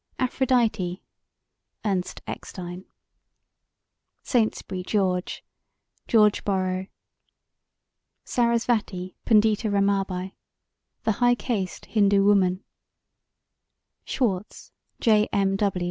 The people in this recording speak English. Aphrodite (Ernst Eckstein) SAINTSBURY, GEORGE: George Borrow SARASVATI, PUNDITA RAMABAI: The High Caste Hindu Woman SCHWARTZ, J. M.